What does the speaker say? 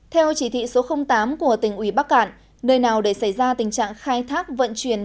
theo chỉ thị số tám của tỉnh ủy bắc cạn nơi nào để xảy ra tình trạng khai thác vận chuyển